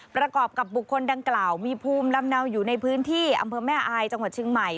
ประกอบกับบุคคลดังกล่าวมีภูมิลำเนาอยู่ในพื้นที่อำเภอแม่อายจังหวัดเชียงใหม่